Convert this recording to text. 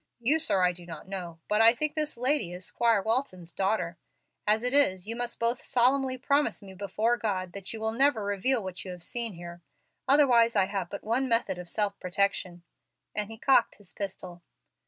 You, sir, I do not know, but I think this lady is Squire Walton's daughter. As it is, you must both solemnly promise me before God that you will never reveal what you have seen here. Otherwise I have but one method of self protection," and he cocked his pistol.